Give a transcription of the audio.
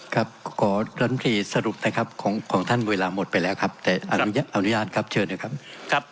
ขอลำตรีสรุปนะครับของท่านเวลาหมดไปแล้วครับแต่อนุญาตครับเชิญนะครับ